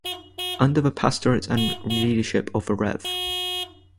Under the pastorate and leadership of the Rev.